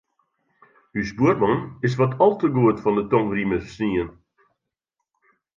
Us buorman is wat al te goed fan 'e tongrieme snien.